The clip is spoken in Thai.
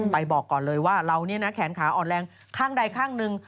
บอกก่อนเลยว่าเราเนี่ยนะแขนขาอ่อนแรงข้างใดข้างหนึ่ง